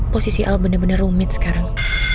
posisi al bener bener rumit sekarang